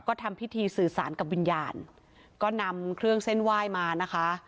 ก็ทำพิธีสื่อสารกับวิญญาณก็นำเครื่องเส้นไหว้มานะคะ